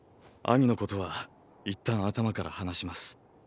アニのことは一旦頭から離します。